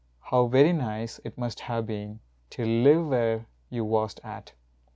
How very nice It must have been to live where you wast at.